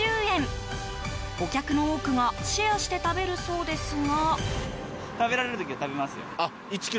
お客の多くがシェアして食べるそうですが。